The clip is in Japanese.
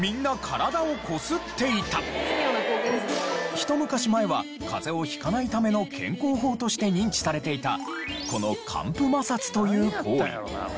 ひと昔前は風邪を引かないための健康法として認知されていたこの乾布摩擦という行為。